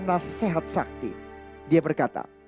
nasihat sakti dia berkata